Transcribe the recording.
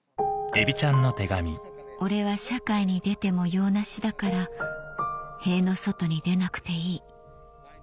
「俺は社会に出ても用なしだから塀の外に出なくていい」